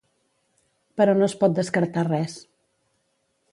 Però no es pot descartar res.